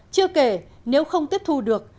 chưa kể nếu không tiếp thu được